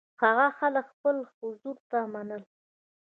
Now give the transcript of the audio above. هغه خلک خپل حضور ته منل.